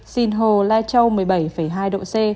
sinh hồ lai châu một mươi bảy hai độ c